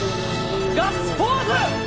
ガッツポーズ！